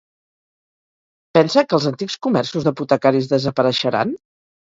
Pensa que els antics comerços d'apotecaris desapareixeran?